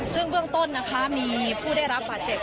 ซึ่งเบื้องต้นนะคะมีผู้ได้รับบาดเจ็บ